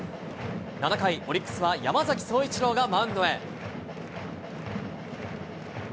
７回、オリックスは山崎颯一郎がマウンドへ。